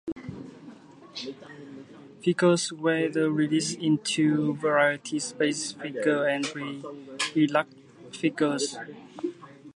Carded figures were released in two varieties, basic figures and deluxe figures.